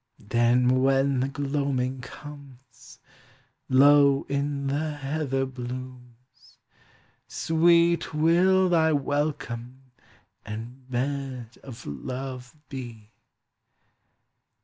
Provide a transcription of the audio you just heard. Then, when the gloaming comes, Low in the heather blooms Sweet will thy welcome and bed of love be!